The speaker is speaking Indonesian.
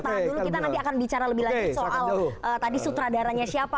saya akan bicara lebih lanjut soal tadi sutradaranya siapa